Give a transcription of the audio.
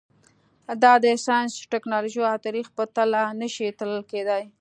دا د ساینس، ټکنالوژۍ او تاریخ په تله نه شي تلل کېدای.